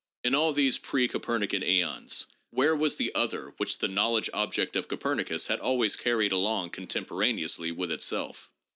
In all these pre Copernican aeons, where was that "other" which the " knowledge object " of Copernicus had always carried along " contemporaneously with itself